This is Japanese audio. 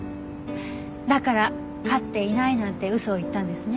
だから飼っていないなんて嘘を言ったんですね。